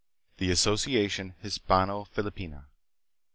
The Asociacidn Hispano Filipina.